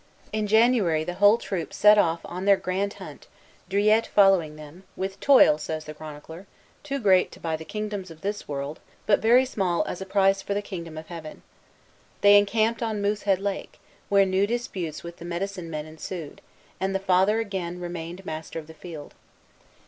In January the whole troop set off on their grand hunt, Druilletes following them, "with toil," says the chronicler, "too great to buy the kingdoms of this world, but very small as a price for the Kingdom of Heaven." They encamped on Moosehead Lake, where new disputes with the "medicine men" ensued, and the Father again remained master of the field.